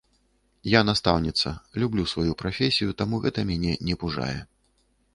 Я настаўніца, люблю сваю прафесію, таму гэта мяне не пужае.